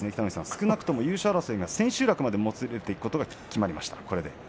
少なくとも優勝争いは千秋楽までもつれることが決まりました。